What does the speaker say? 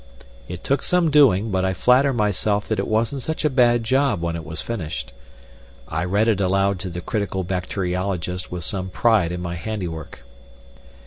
It took some doing, but I flatter myself that it wasn't such a bad job when it was finished. I read it aloud to the critical bacteriologist with some pride in my handiwork.